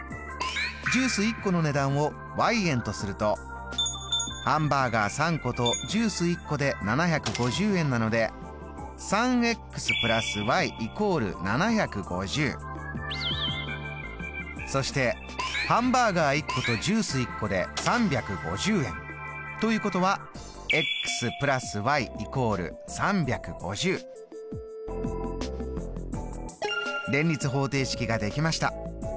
ジュース１個の値段を円とするとハンバーガー３個とジュース１個で７５０円なのでそしてハンバーガー１個とジュース１個で３５０円。ということは連立方程式ができました。